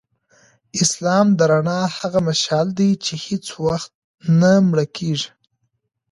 اسلام د رڼا هغه مشعل دی چي هیڅ وختنه مړ کیږي.